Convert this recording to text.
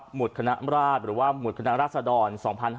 หมุดคณะราชหรือหมุดคณะรัศดร๒๕๖๓